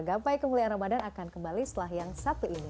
gampai kemuliaan ramadhan akan kembali setelah yang satu ini